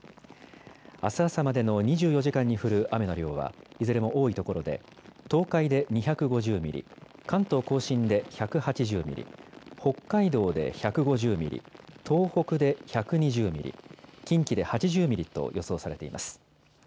あす朝までの２４時間に降る雨の量は、いずれも多い所で、東海で２５０ミリ、関東甲信で１８０ミリ、北海道で１５０ミリ、東北で１２０ミリ、近畿で８０ミリと予想されています。